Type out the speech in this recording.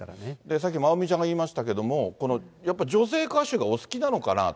さっきまおみちゃんが言いましたけど、女性歌手がお好きなのかなと。